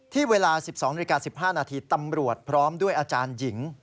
ที่เวลา๑๒๑๕นาทีตำรวจพร้อมด้วยอาจารย์หญิง